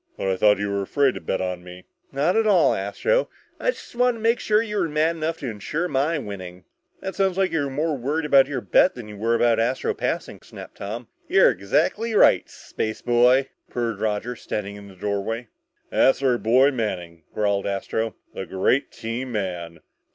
"But I thought you were afraid to bet on me!" "Not at all, Astro. I just wanted to make you mad enough to ensure my winning." "That sounds like you were more worried about your bet than you were about Astro passing," snapped Tom. "You're exactly right, spaceboy," purred Roger, standing in the doorway. "That's our boy, Manning," growled Astro. "The great team man!"